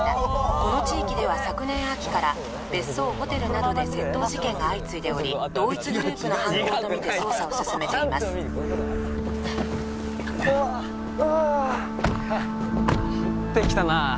この地域では昨年秋から別荘ホテルなどで窃盗事件が相次いでおり同一グループの犯行と見て捜査を進めています降ってきたな